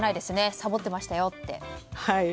さぼってましたよって。